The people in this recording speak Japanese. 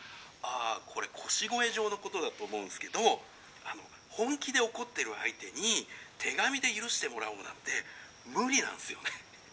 あこれ『腰越状』のことだと思うんすけどあの本気で怒ってる相手に手紙で許してもらおうなんて無理なんすよね」。